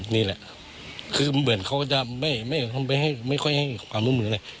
นี่แหละคือเหมือนเขาจะไม่ค่อยให้ความร่วมมืออะไร